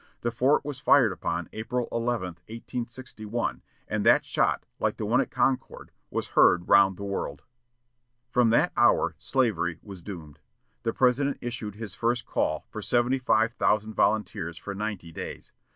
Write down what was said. The fort was fired upon April 11, 1861, and that shot, like the one at Concord, was "heard round the world." From that hour slavery was doomed. The President issued his first call for seventy five thousand volunteers for ninety days.